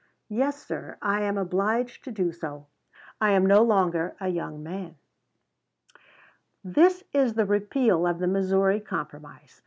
_] Yes, sir, I am obliged to do so; I am no longer a young man: "This is the repeal of the Missouri Compromise.